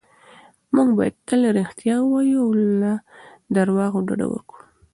موږ باید تل رښتیا ووایو او له درواغو ډډه وکړو.